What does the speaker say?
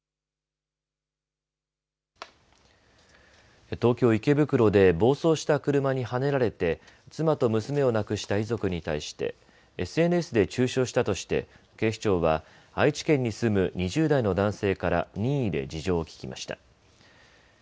東京池袋で暴走した車にはねられて妻と娘を亡くした遺族に対してＳＮＳで中傷したとして警視庁は愛知県に住む２０代の男性から任意で事情を聴きました。